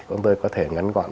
con tôi có thể ngắn gọn